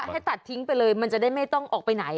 ให้ตัดทิ้งไปเลยมันจะได้ไม่ต้องออกไปไหน